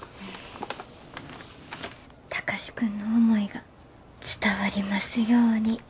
貴司君の思いが伝わりますように。